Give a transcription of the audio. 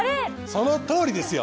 そのとおりですよ。